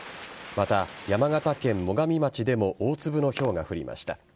また、山形県最上町でも大粒のひょうが降りました。